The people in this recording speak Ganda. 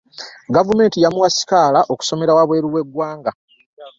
Gavumenti yamuwa sikaala okusomera wa bwe ru we ggwanga.